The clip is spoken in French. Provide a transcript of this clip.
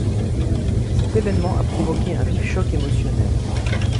Cet événement a provoqué un vif choc émotionnel.